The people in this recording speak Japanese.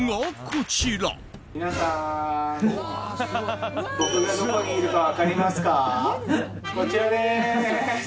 こちらです！